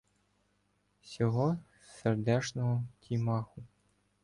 Сього сердешного тімаху